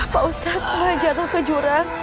pak ustaz wajahnya ke jurang